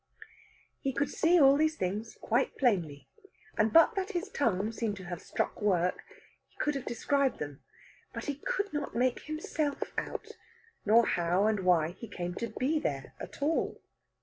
He could see all these things quite plainly, and but that his tongue seemed to have struck work, could have described them. But he could not make himself out, nor how and why he came to be there at all.